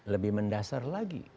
lebih mendasar lagi